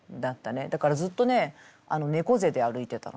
だからずっとね猫背で歩いてた。